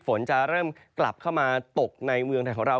ฝนจะเริ่มกลับเข้ามาตกในเมืองไทยของเรา